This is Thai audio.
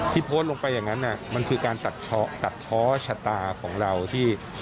โพสต์ลงไปอย่างนั้นมันคือการตัดเพาะชะตาของเราที่